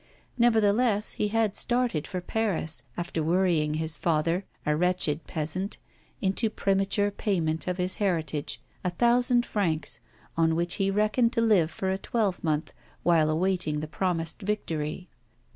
Nevertheless, he had started for Paris, after worrying his father, a wretched peasant, into premature payment of his heritage, a thousand francs, on which he reckoned to live for a twelvemonth while awaiting the promised victory.